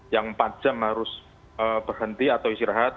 yang empat jam harus berhenti atau istirahat